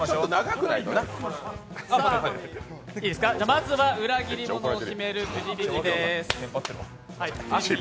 まずは裏切り者を決めるくじ引きです。